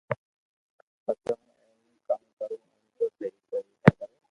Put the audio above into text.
پسي ھون اي مي ڪاوُ ڪرو ايم تو ڪوئي ڪرو